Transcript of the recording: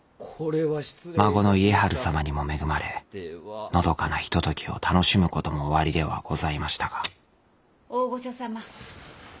孫の家治様にも恵まれのどかなひとときを楽しむこともおありではございましたが・大御所様。